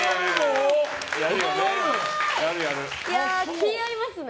気が合いますね。